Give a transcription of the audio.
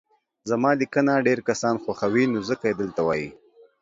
زما ليکنه ډير کسان خوښوي نو ځکه يي دلته وايي